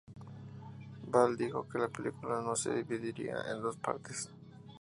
Ball dijo que la película no se dividiría en dos partes.